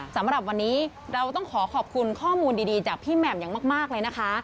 สำหรับวันนี้เราต้องขอขอบคุณข้อมูลดีจากพี่แหม่มอย่างมากเลยนะคะ